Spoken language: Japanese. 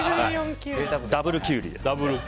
ダブルキュウリです。